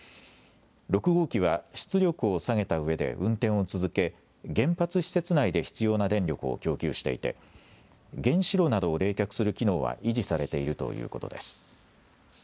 ６号機は、出力を下げたうえで運転を続け、原発施設内で必要な電力を供給していて、原子炉などを冷却する機能は維持されているということです。